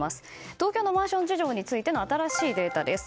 東京のマンション事情についての新しいデータです。